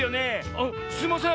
「あっすいません